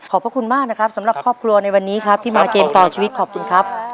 พระคุณมากนะครับสำหรับครอบครัวในวันนี้ครับที่มาเกมต่อชีวิตขอบคุณครับ